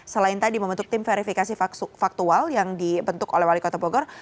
selain tadi membentuk tim verifikasi faktual yang dibentuk oleh wali kota bogor